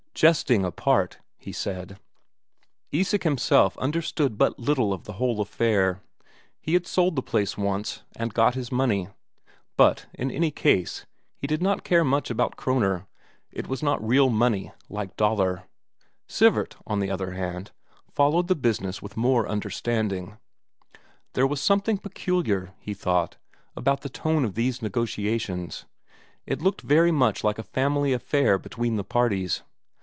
"Jesting apart," he said. Isak himself understood but little of the whole affair; he had sold the place once, and got his money. But in any case, he did not care much about Kroner it was not real money like Daler. Sivert, on the other hand, followed the business with more understanding. There was something peculiar, he thought, about the tone of these negotiations; it looked very much like a family affair between the parties.